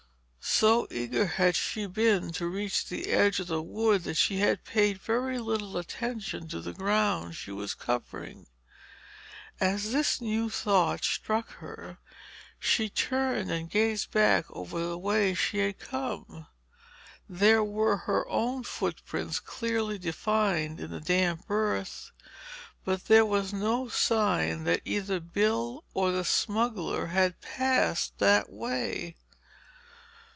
So eager had she been to reach the edge of the wood that she had paid very little attention to the ground she was covering. As this new thought struck her, she turned and gazed back over the way she had come. There were her own footprints clearly defined in the damp earth—but there was no sign that either Bill or the smuggler had passed that way.